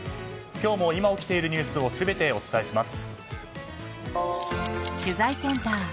今日も今、起きているニュースを全てお伝えします。